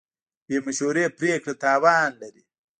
بې مشورې پرېکړه تاوان لري.